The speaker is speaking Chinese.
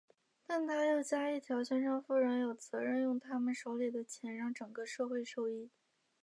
但他又加一条宣称富人有责任用他们手里的钱来让整个社会受益。